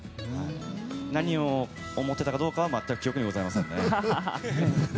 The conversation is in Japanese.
何を思ってたかどうかは全く記憶にございませんね。